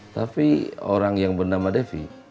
tapi orang yang bernama devi